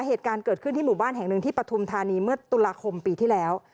เหตุการณ์เกิดขึ้นที่หมู่บ้านแห่งหนึ่งที่ปฐุมธานีเมื่อตุลาคมปีที่แล้ว